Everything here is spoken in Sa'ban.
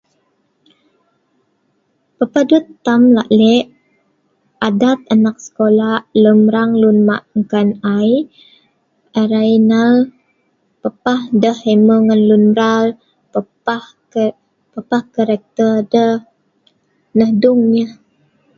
Papah dut tam lak lek adat anak sekolak lem rang lun ma' kan ai, arai nal papah deh emeu ngan lun mral, papah.. Papah karakter deh. Nah dung nyeh.